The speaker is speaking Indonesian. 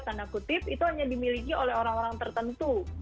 tanda kutip itu hanya dimiliki oleh orang orang tertentu